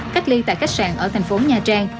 cách ly tại khách sạn ở tp nha trang